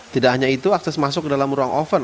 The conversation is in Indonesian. tidak hanya itu akses masuk ke dalam ruang oven